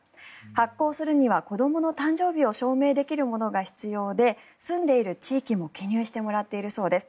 発行するには子どもの誕生日を証明できるものが必要で住んでいる地域も記入してもらっているそうです。